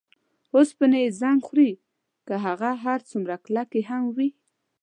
اوسپنې یې زنګ خوري که هغه هر څومره کلکې هم وي.